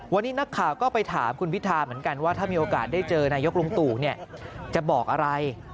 วันนี้นักข่าวก็ไปถามคุณพิธาเหมือนกันว่าถ้ามีโอกาสได้เจอนายกลุงตู่จะบอกอะไร